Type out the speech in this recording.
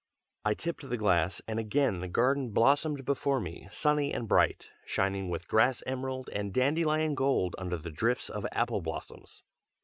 I tipped the glass, and again the garden blossomed before me, sunny and bright, shining with grass emerald and dandelion gold, under the drifts of apple blossoms.